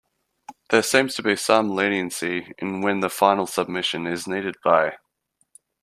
There seems to be some leniency in when the final submission is needed by.